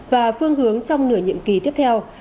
và phương hướng trong nửa nhiệm kỳ tiếp theo